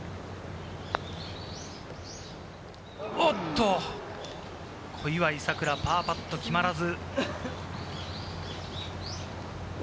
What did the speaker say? おっと！小祝さくら、パーパット決まらず。